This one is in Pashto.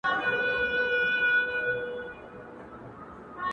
ښکلا د دې؛ زما,